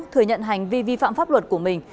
thừa nhận hành vi vi phạm pháp luật của mình